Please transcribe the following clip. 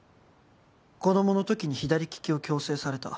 「子供のときに左利きを矯正された」